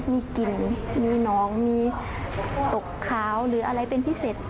มีกลิ่นมีหนองมีตกขาวหรืออะไรเป็นพิเศษ